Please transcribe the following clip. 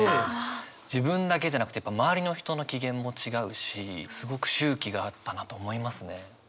自分だけじゃなくてやっぱ周りの人の機嫌も違うしすごく周期があったなと思いますね。